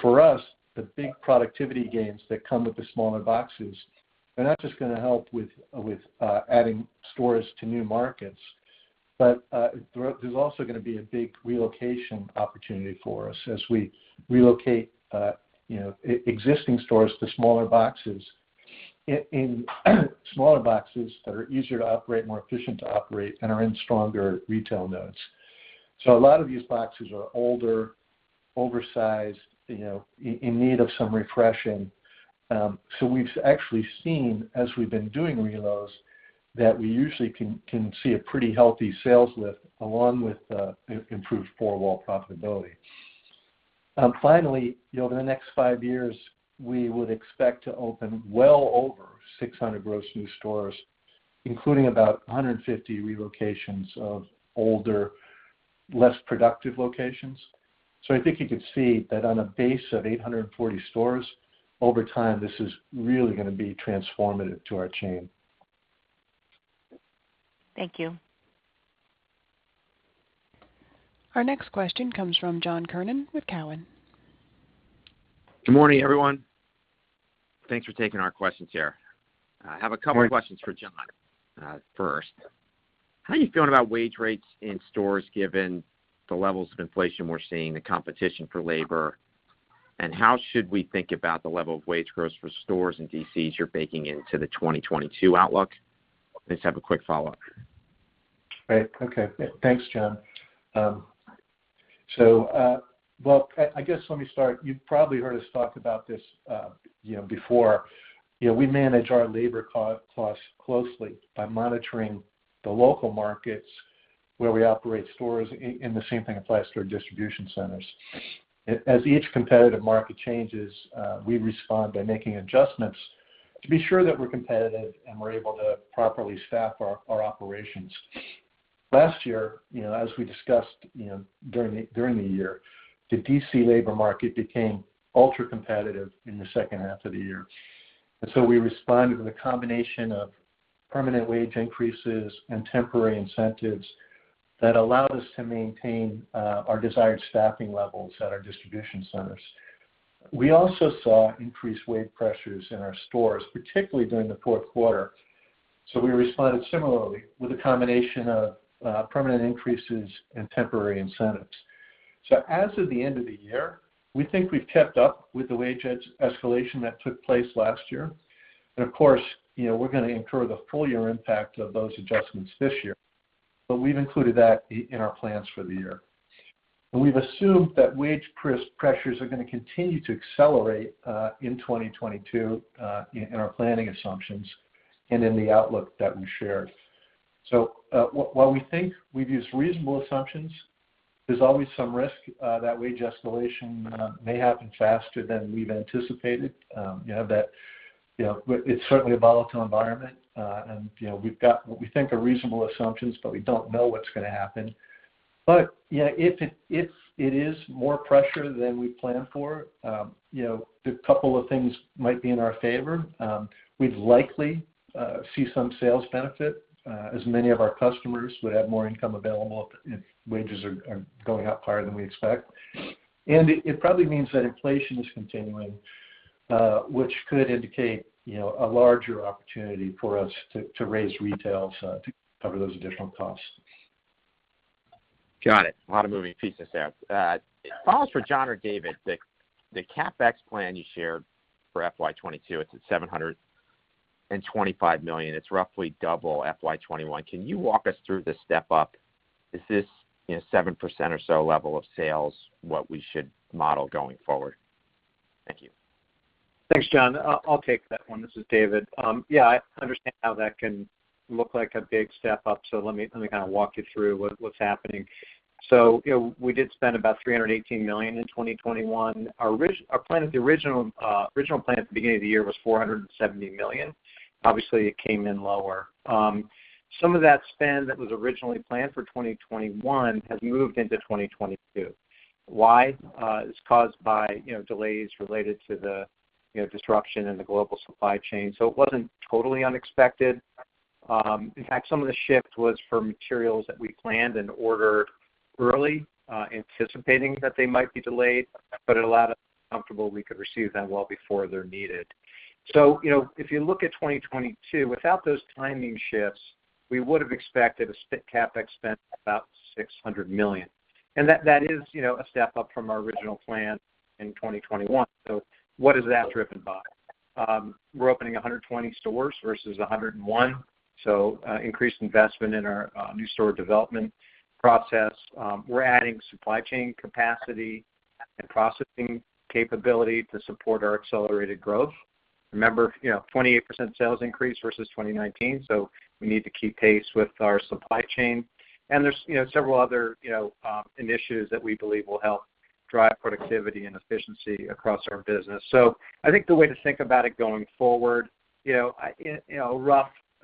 For us, the big productivity gains that come with the smaller boxes, they're not just gonna help with adding stores to new markets. There's also gonna be a big relocation opportunity for us as we relocate existing stores to smaller boxes in smaller boxes that are easier to operate, more efficient to operate, and are in stronger retail nodes. A lot of these boxes are older, oversized, you know, in need of some refreshing. We've actually seen as we've been doing relos, that we usually can see a pretty healthy sales lift along with improved four-wall profitability. Finally, you know, over the next five years, we would expect to open well over 600 gross new stores, including about 150 relocations of older, less productive locations. I think you could see that on a base of 840 stores over time. This is really gonna be transformative to our chain. Thank you. Our next question comes from John Kernan with Cowen. Good morning, everyone. Thanks for taking our questions here. I have a couple of questions for John. First, how are you feeling about wage rates in stores given the levels of inflation we're seeing, the competition for labor? And how should we think about the level of wage growth for stores and DCs you're baking into the 2022 outlook? I just have a quick follow-up. Right. Okay. Thanks, John. So, well, I guess let me start. You've probably heard us talk about this, you know, before. You know, we manage our labor cost closely by monitoring the local markets where we operate stores in the same thing applies to our distribution centers. As each competitive market changes, we respond by making adjustments to be sure that we're competitive and we're able to properly staff our operations. Last year, you know, as we discussed, you know, during the year, the DC labor market became ultra-competitive in the second half of the year. We responded with a combination of permanent wage increases and temporary incentives that allowed us to maintain our desired staffing levels at our distribution centers. We also saw increased wage pressures in our stores, particularly during the fourth quarter. We responded similarly with a combination of permanent increases and temporary incentives. As of the end of the year, we think we've kept up with the wage escalation that took place last year. Of course, you know, we're gonna incur the full-year impact of those adjustments this year. We've included that in our plans for the year. We've assumed that wage pressures are gonna continue to accelerate in 2022 in our planning assumptions and in the outlook that we shared. While we think we've used reasonable assumptions, there's always some risk that wage escalation may happen faster than we've anticipated. You have that, you know. It's certainly a volatile environment. You know, we've got what we think are reasonable assumptions, but we don't know what's gonna happen. You know, if it is more pressure than we planned for, you know, a couple of things might be in our favor. We'd likely see some sales benefit as many of our customers would have more income available if wages are going up higher than we expect. It probably means that inflation is continuing, which could indicate, you know, a larger opportunity for us to raise retails to cover those additional costs. Got it. A lot of moving pieces there. Follow-up for John or David, the CapEx plan you shared for FY 2022, it's at $725 million. It's roughly double FY 2021. Can you walk us through the step up? Is this 7% or so level of sales what we should model going forward? Thank you. Thanks, John. I'll take that one. This is David. Yeah, I understand how that can look like a big step up, so let me kind of walk you through what's happening. You know, we did spend about $318 million in 2021. Our original plan at the beginning of the year was $470 million. Obviously, it came in lower. Some of that spend that was originally planned for 2021 has moved into 2022. Why? It's caused by, you know, delays related to the, you know, disruption in the global supply chain. It wasn't totally unexpected. In fact, some of the shift was for materials that we planned and ordered early, anticipating that they might be delayed, but it allowed us comfortable we could receive them well before they're needed. You know, if you look at 2022, without those timing shifts, we would have expected CapEx spend about $600 million. That is a step up from our original plan in 2021. What is that driven by? We're opening 120 stores versus 101, increased investment in our new store development process. We're adding supply chain capacity and processing capability to support our accelerated growth. Remember, you know, 28% sales increase versus 2019, so we need to keep pace with our supply chain. There's several other initiatives that we believe will help drive productivity and efficiency across our business. I think the way to think about it going forward, roughly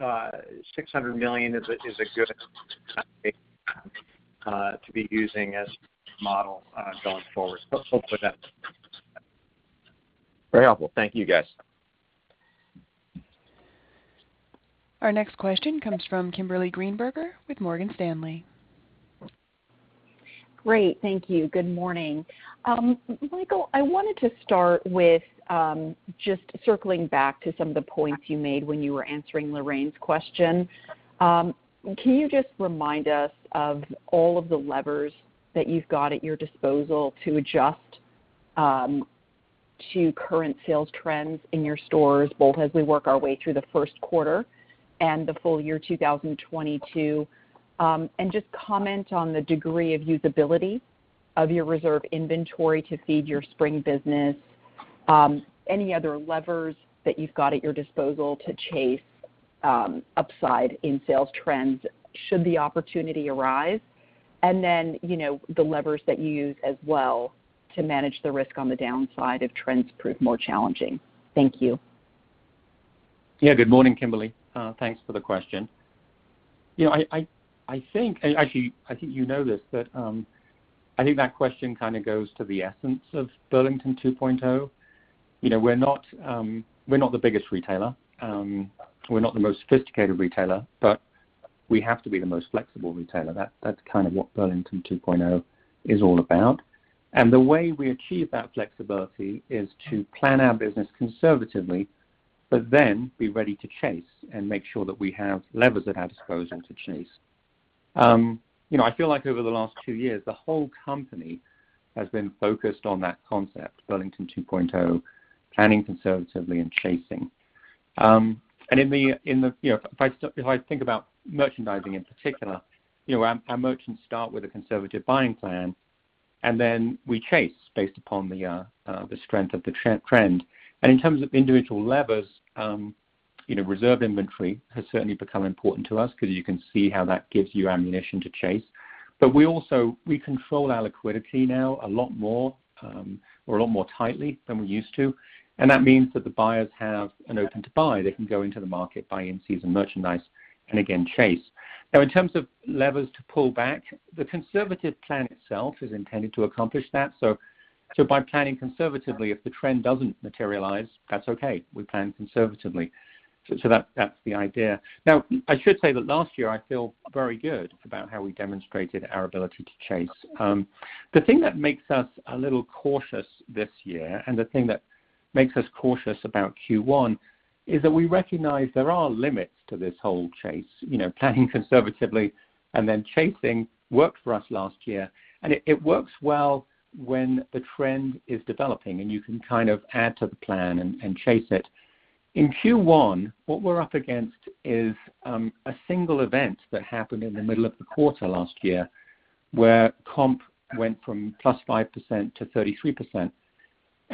$600 million is a good to be using as a model going forward. I hope for that. Very helpful. Thank you, guys. Our next question comes from Kimberly Greenberger with Morgan Stanley. Great. Thank you. Good morning. Michael, I wanted to start with, just circling back to some of the points you made when you were answering Lorraine's question. Can you just remind us of all of the levers that you've got at your disposal to adjust, to current sales trends in your stores, both as we work our way through the first quarter and the full-year 2022. And just comment on the degree of usability of your reserve inventory to feed your spring business, any other levers that you've got at your disposal to chase, upside in sales trends should the opportunity arise. Then, you know, the levers that you use as well to manage the risk on the downside if trends prove more challenging. Thank you. Yeah. Good morning, Kimberly. Thanks for the question. You know, I think actually, I think you know this, but I think that question kind of goes to the essence of Burlington 2.0. You know, we're not the biggest retailer, we're not the most sophisticated retailer, but we have to be the most flexible retailer. That's kind of what Burlington 2.0 is all about. The way we achieve that flexibility is to plan our business conservatively, but then be ready to chase and make sure that we have levers at our disposal to chase. You know, I feel like over the last two years, the whole company has been focused on that concept, Burlington 2.0, planning conservatively and chasing. If I think about merchandising in particular, you know, our merchants start with a conservative buying plan, then we chase based upon the strength of the trend. In terms of individual levers, you know, reserve inventory has certainly become important to us because you can see how that gives you ammunition to chase. But we also control our liquidity now a lot more tightly than we used to, and that means that the buyers have an open-to-buy. They can go into the market, buy in-season merchandise, and again, chase. Now, in terms of levers to pull back, the conservative plan itself is intended to accomplish that. So by planning conservatively, if the trend doesn't materialize, that's okay. We plan conservatively. That's the idea. Now, I should say that last year I feel very good about how we demonstrated our ability to chase. The thing that makes us a little cautious this year and the thing that makes us cautious about Q1 is that we recognize there are limits to this whole chase. You know, planning conservatively and then chasing worked for us last year, and it works well when the trend is developing, and you can kind of add to the plan and chase it. In Q1, what we're up against is a single event that happened in the middle of the quarter last year, where comp went from +5% to 33%.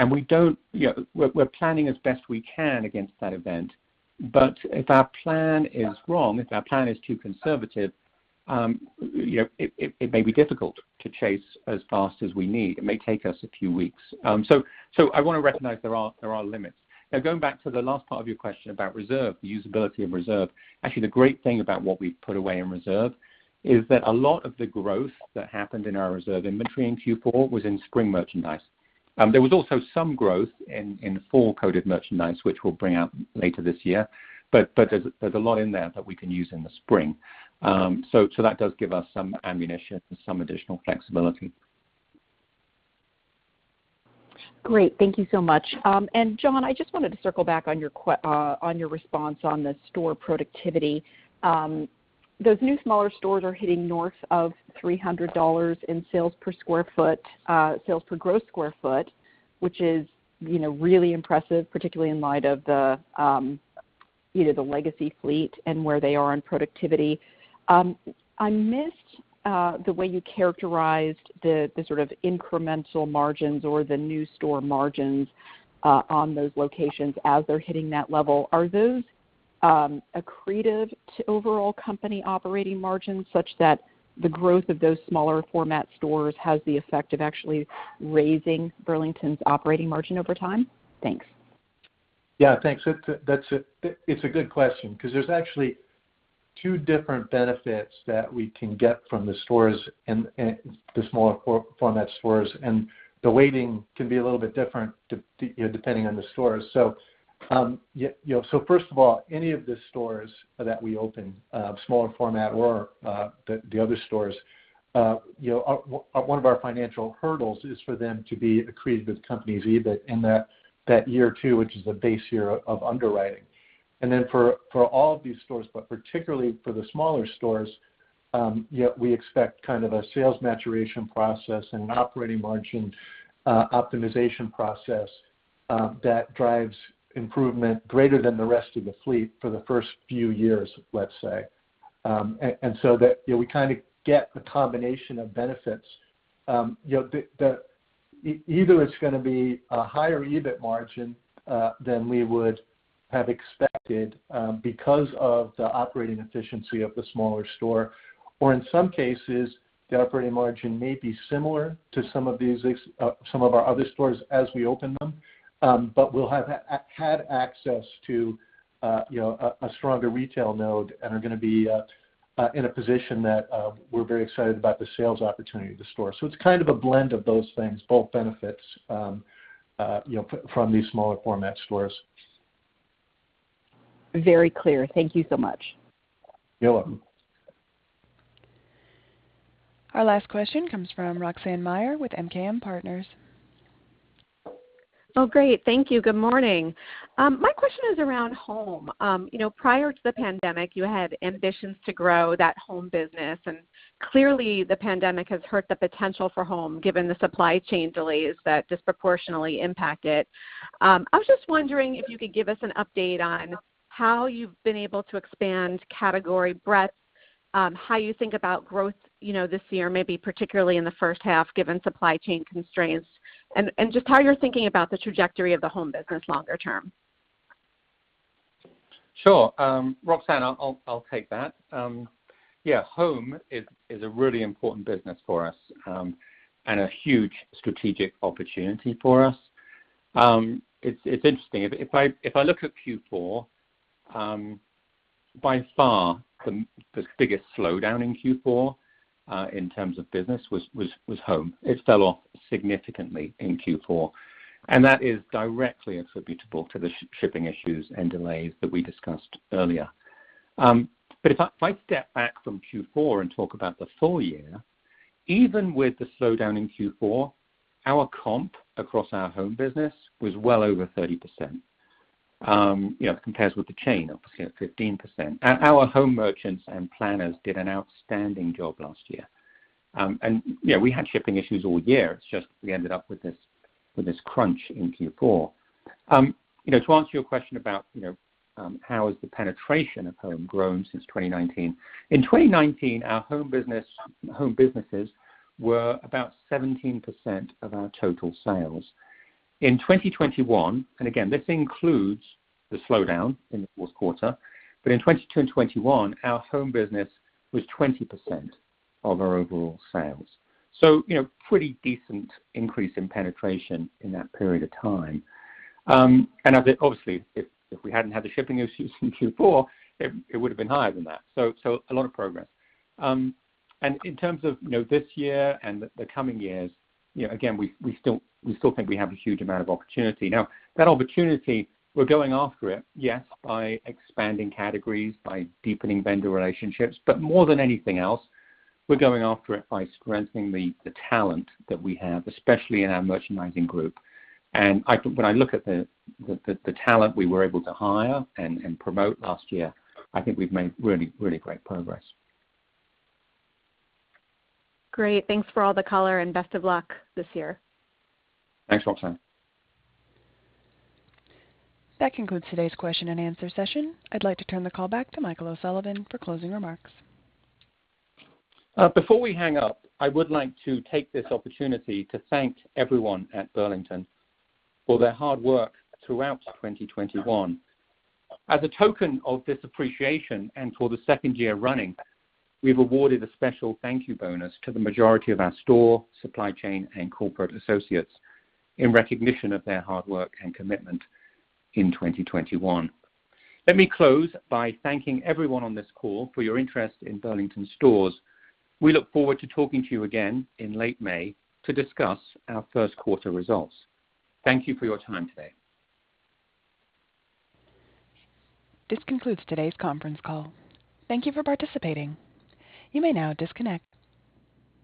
We don't, you know, we're planning as best we can against that event. If our plan is wrong, if our plan is too conservative, you know, it may be difficult to chase as fast as we need. It may take us a few weeks. I wanna recognize there are limits. Now, going back to the last part of your question about reserve, the usability of reserve. Actually, the great thing about what we've put away in reserve is that a lot of the growth that happened in our reserve inventory in Q4 was in spring merchandise. There was also some growth in fall-coded merchandise, which we'll bring out later this year. There's a lot in there that we can use in the spring. That does give us some ammunition and some additional flexibility. Great. Thank you so much. John, I just wanted to circle back on your response on the store productivity. Those new smaller stores are hitting north of $300 in sales per sq ft, sales per gross sq ft, which is, you know, really impressive, particularly in light of the, you know, the legacy fleet and where they are on productivity. I missed the way you characterized the sort of incremental margins or the new store margins on those locations as they're hitting that level. Are those accretive to overall company operating margins, such that the growth of those smaller format stores has the effect of actually raising Burlington's operating margin over time? Thanks. Yeah, thanks. That's a good question, because there's actually two different benefits that we can get from the stores and the smaller format stores, and the weighting can be a little bit different, you know, depending on the stores. First of all, any of the stores that we open, smaller format or the other stores, you know, one of our financial hurdles is for them to be accretive to the company's EBIT in that year two, which is the base year of underwriting. For all of these stores, but particularly for the smaller stores, yet we expect kind of a sales maturation process and an operating margin optimization process that drives improvement greater than the rest of the fleet for the first few years, let's say. So that you know, we kinda get a combination of benefits. You know, either it's gonna be a higher EBIT margin than we would have expected because of the operating efficiency of the smaller store, or in some cases, the operating margin may be similar to some of our other stores as we open them. But we'll have had access to you know a stronger retail node and are gonna be in a position that we're very excited about the sales opportunity of the store. It's kind of a blend of those things, both benefits you know from these smaller format stores. Very clear. Thank you so much. You're welcome. Our last question comes from Roxanne Meyer with MKM Partners. Oh, great. Thank you. Good morning. My question is around home. You know, prior to the pandemic, you had ambitions to grow that home business, and clearly, the pandemic has hurt the potential for home, given the supply chain delays that disproportionately impact it. I was just wondering if you could give us an update on how you've been able to expand category breadth, how you think about growth, you know, this year, maybe particularly in the first half, given supply chain constraints, and just how you're thinking about the trajectory of the home business longer term. Sure. Roxanne, I'll take that. Yeah, Home is a really important business for us and a huge strategic opportunity for us. It's interesting. If I look at Q4, by far the biggest slowdown in Q4 in terms of business was Home. It fell off significantly in Q4. That is directly attributable to the shipping issues and delays that we discussed earlier. If I step back from Q4 and talk about the full-year, even with the slowdown in Q4, our comp across our Home business was well over 30%, you know, compares with the chain, obviously, at 15%. Our Home merchants and planners did an outstanding job last year. You know, we had shipping issues all year. It's just we ended up with this crunch in Q4. You know, to answer your question about, you know, how has the penetration of home grown since 2019. In 2019, our home businesses were about 17% of our total sales. In 2021, and again, this includes the slowdown in the fourth quarter, but in 2021, our home business was 20% of our overall sales. You know, pretty decent increase in penetration in that period of time. In terms of, you know, this year and the coming years, you know, again, we still think we have a huge amount of opportunity. Now, that opportunity, we're going after it, yes, by expanding categories, by deepening vendor relationships, but more than anything else, we're going after it by strengthening the talent that we have, especially in our merchandising group. When I look at the talent we were able to hire and promote last year, I think we've made really great progress. Great. Thanks for all the color, and best of luck this year. Thanks, Roxanne. That concludes today's question-and-answer session. I'd like to turn the call back to Michael O'Sullivan for closing remarks. Before we hang up, I would like to take this opportunity to thank everyone at Burlington for their hard work throughout 2021. As a token of this appreciation, and for the second year running, we've awarded a special thank you bonus to the majority of our store, supply chain, and corporate associates in recognition of their hard work and commitment in 2021. Let me close by thanking everyone on this call for your interest in Burlington Stores. We look forward to talking to you again in late May to discuss our first quarter results. Thank you for your time today. This concludes today's conference call. Thank you for participating. You may now disconnect.